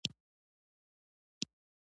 پسرلی د افغانستان د موسم د بدلون سبب کېږي.